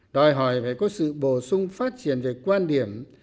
đòi hỏi phải có sự bổ sung phát triển về quan điểm